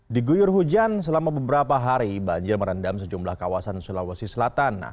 di guyur hujan selama beberapa hari banjir merendam sejumlah kawasan sulawesi selatan